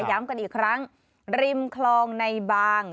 ย้ำกันอีกครั้งริมคลองในบาง